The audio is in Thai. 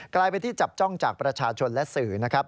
กลายเป็นที่จับจ้องจากประชาชนและสื่อนะครับ